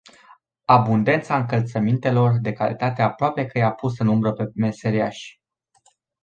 Abundența încălțămintelor de calitate aproape că i-a pus în umbră pe meserIași.